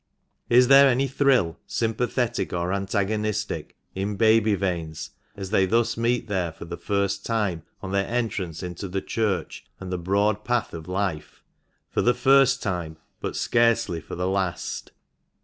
Is there any thrill, sympathetic or antagonistic, in baby veins, as they thus meet there for the first time on their entrance into the church and the broad path of life? For the first time — but scarcely for the last.